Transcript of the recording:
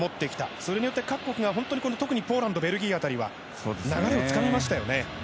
それによって各国が特にポーランド、ベルギー辺りは流れをつかみましたね。